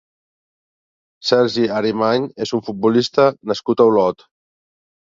Sergi Arimany és un futbolista nascut a Olot.